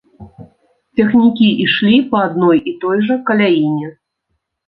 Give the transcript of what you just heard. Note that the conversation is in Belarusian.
Цягнікі ішлі па адной і той жа каляіне.